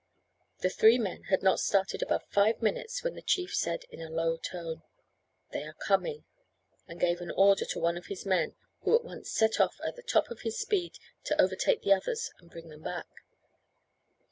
The three men had not started above five minutes, when the chief said in a low tone: "They are coming," and gave an order to one of his men, who at once set off at the top of his speed to overtake the others and bring them back.